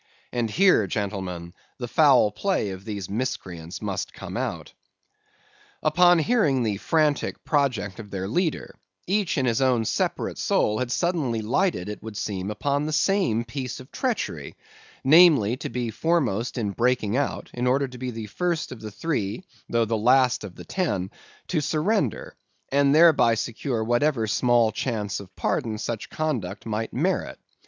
And here, gentlemen, the foul play of these miscreants must come out. "Upon hearing the frantic project of their leader, each in his own separate soul had suddenly lighted, it would seem, upon the same piece of treachery, namely: to be foremost in breaking out, in order to be the first of the three, though the last of the ten, to surrender; and thereby secure whatever small chance of pardon such conduct might merit.